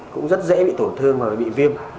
cũng rất dễ bị tổn thương và bị viêm